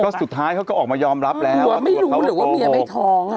ก็สุดท้ายเขาก็ออกมายอมรับแล้วว่าไม่รู้หรือว่าเมียไม่ท้องอ่ะ